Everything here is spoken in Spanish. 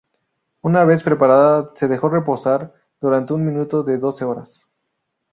Una vez preparada se deja reposar durante un mínimo de doce horas.